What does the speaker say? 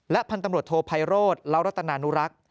พันธุ์ตำรวจโทไพโรธเล้ารัตนานุรักษ์